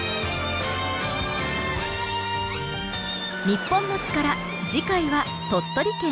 『日本のチカラ』次回は鳥取県。